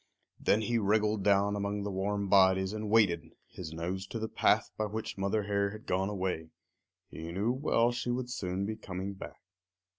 Then he wriggled down among the warm bodies and waited, his nose to the path by which Mother Hare had gone away. He knew well she would soon be coming back.